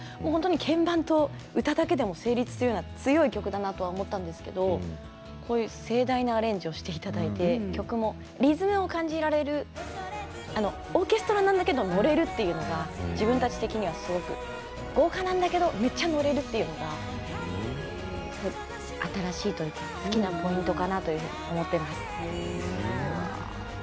鍵盤と歌だけでも成立するような強い曲だなと思ったんですけどこういう盛大なアレンジをしていただいて曲もリズムを感じられるオーケストラなんだけど乗れるというのが自分たち的にはすごく豪華なんだけどめっちゃ乗れるというのが新しいというか好きなポイントかなと思っています。